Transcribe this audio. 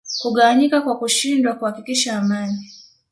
kugawanyika kwa kushindwa kuhakikisha amani